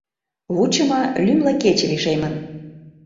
Вучымо лӱмлӧ кече лишемын.